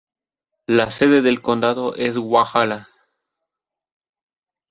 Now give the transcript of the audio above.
La sede del condado es Walhalla.